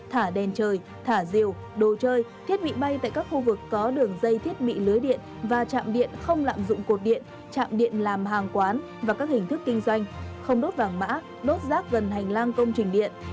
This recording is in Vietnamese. thả đèn trời thả rìu đồ chơi thiết bị bay tại các khu vực có đường dây thiết bị lưới điện và trạm điện không lạm dụng cột điện chạm điện làm hàng quán và các hình thức kinh doanh không đốt vàng mã đốt rác gần hành lang công trình điện